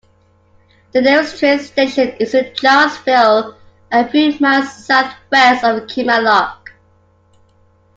The nearest train station is in Charleville, a few miles south west of Kilmallock.